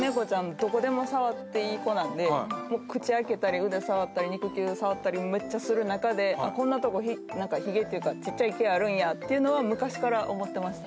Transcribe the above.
どこでも触っていい子なんで口開けたり腕触ったり肉球触ったりめっちゃする中でこんなとこ髭っていうかちっちゃい毛あるんやっていうのは昔から思ってました